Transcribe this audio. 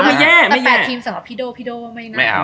ก็ไม่แย่ไม่แย่แต่แปดทีมสำหรับพี่โด้พี่โด้ไม่น่าไม่เอา